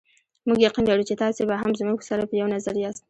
موږ یقین لرو چې تاسې به هم زموږ سره په یوه نظر یاست.